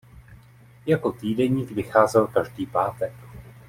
Jako týdeník vycházel každý pátek.